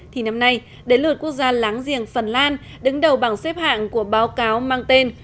thì năm nay đến lượt quốc gia láng giềng phần lan đứng đầu bảng xếp hạng của báo cáo mang tên